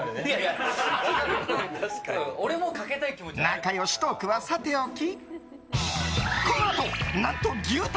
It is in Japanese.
仲良しトークはさておき。